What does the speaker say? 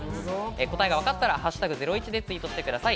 答えが分かったら「＃ゼロイチ」でツイートしてください。